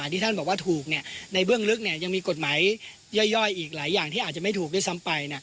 ที่ท่านบอกว่าถูกในเบื้องลึกยังมีกฎหมายย่อยอีกหลายอย่างที่อาจจะไม่ถูกด้วยซ้ำไป